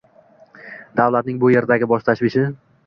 Davlatning bu yerdagi bosh tashvishi